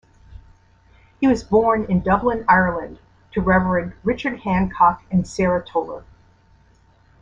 He was born in Dublin, Ireland to Reverend Richard Handcock and Sarah Toler.